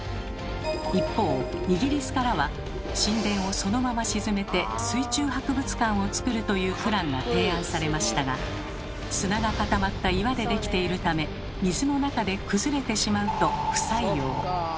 一方イギリスからは神殿をそのまま沈めて水中博物館をつくるというプランが提案されましたが砂が固まった岩でできているため水の中で崩れてしまうと不採用。